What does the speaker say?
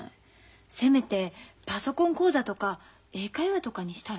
せめてパソコン講座とか英会話とかにしたら？